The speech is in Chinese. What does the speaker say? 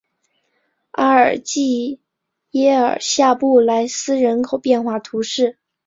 阿尔济耶尔下布来斯人口变化图示